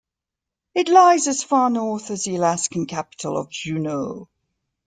It lies as far north as the Alaskan capital of Juneau.